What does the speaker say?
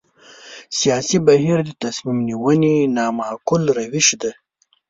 سیاسي بهیر د تصمیم نیونې نامعقول روش دی.